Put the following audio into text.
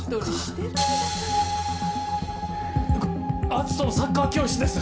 篤斗のサッカー教室です！